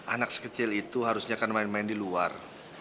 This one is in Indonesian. anak sekecil itu harusnya kan main main di luar